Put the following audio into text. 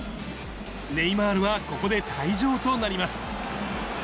ネイマールはここで退場となります。